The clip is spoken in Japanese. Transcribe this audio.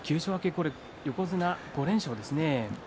これで横綱５連勝です。